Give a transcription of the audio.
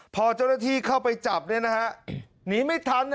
พอเจ้าหน้าที่เข้าไปจับเนี่ยนะฮะหนีไม่ทัน